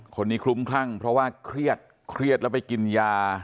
คนนี้คลุ้มครั่งเพราะว่าเครียดแล้วไปกินยา